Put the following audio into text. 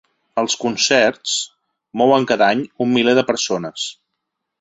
Els concerts mouen cada any un miler de persones.